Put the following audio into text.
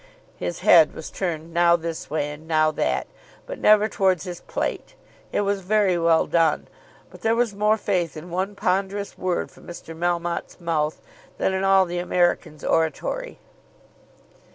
His head was turned now this way and now that, but never towards his plate. It was very well done. But there was more faith in one ponderous word from Mr. Melmotte's mouth than in all the American's oratory.